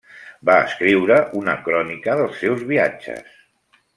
Va escriure una crònica dels seus viatges.